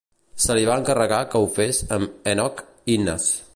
Se li va encarregar que ho fes amb Enoch Innes.